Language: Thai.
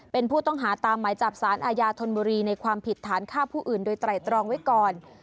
เป็นผู้ต้องหาตามหมายจับสารอาญาธนบุรีในความผิดฐานฆ่าผู้อื่นโดยไตรตรองไว้ก่อน